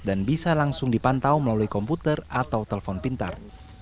dan bisa langsung dipantau melalui komputer atau telepon pintar